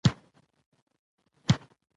چپاول او د کور چور او تالا ته اراده وکړه.